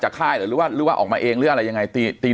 ค่ายหรือว่าหรือว่าออกมาเองหรืออะไรยังไง